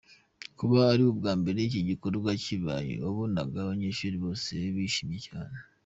Kuba ari ubwa mbere iki gikorwa kibaye, wabonaga abanyeshuri bose bishimye cyane.